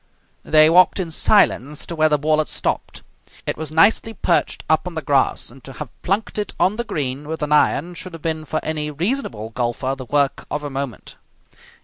They walked in silence to where the ball had stopped. It was nicely perched up on the grass, and to have plunked it on to the green with an iron should have been for any reasonable golfer the work of a moment.